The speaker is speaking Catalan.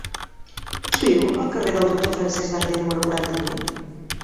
Qui viu al carrer del Doctor Francesc Darder número quaranta-vuit?